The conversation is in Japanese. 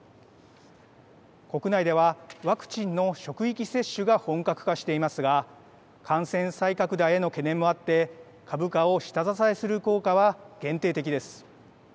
国内ではワクチンの職域接種が本格化していますが感染再拡大への懸念もあって株価を下支えする効果は限定的です。